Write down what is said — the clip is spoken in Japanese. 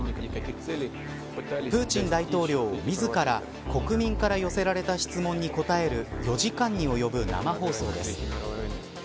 プーチン大統領、自ら国民から寄せられた質問に答える４時間に及ぶ生放送です。